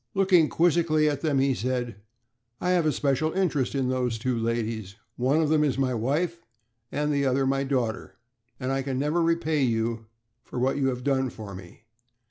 Looking quizzically at them, he said: "I have a special interest in those two ladies. One of them is my wife, and the other my daughter, and I can never repay you for what you have done for me.